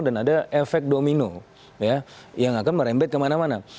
dan ada efek domino yang akan merembet kemana mana